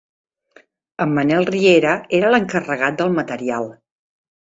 En Manel Riera era l'encarregat del material.